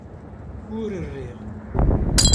Ur riɣ